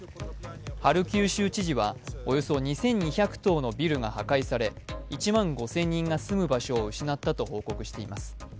ハルキウ州知事はおよそ２２００棟のビルが破壊され１万５０００人が住む場所を失ったと報告しています。